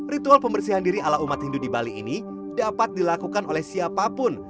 ritual pembersihan diri ala umat hindu di bali ini dapat dilakukan oleh siapapun